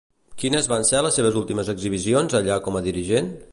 Quines van ser les seves últimes exhibicions allà com a dirigent?